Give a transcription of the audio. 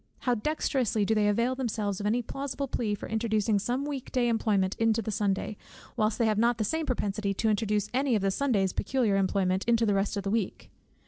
How dexterously do they avail themselves of any plausible plea for introducing some weekday employment into the Sunday, whilst they have not the same propensity to introduce any of the Sunday's peculiar employment into the rest of the week!